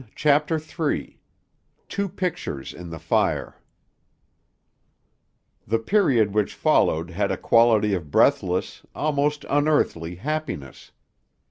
CHAPTER III TWO PICTURES IN THE FIRE The period which followed had a quality of breathless, almost unearthly happiness.